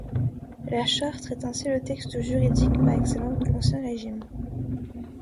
La Charte est ainsi le texte juridique par excellence de l'Ancien Régime.